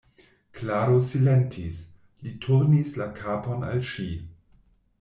Klaro silentis; li turnis la kapon al ŝi.